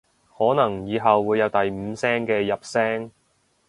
可能以後會有第五聲嘅入聲